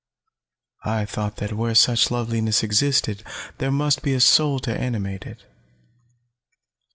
I thought that where such loveliness existed, there must be a soul to animate it.